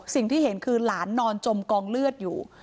สิ่งที่เห็นคือหลานนอนจมกองเลือดอยู่